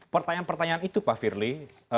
pertanyaan pertanyaan itu pak firly